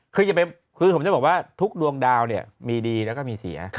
คือผมจะบอกว่าทุกดวงดาวเนี่ยมีดีแล้วก็มีเสีย